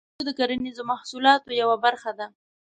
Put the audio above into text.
کچالو د کرنیزو محصولاتو یوه برخه ده